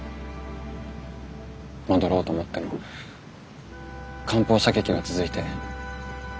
戻ろうと思っても艦砲射撃は続いて。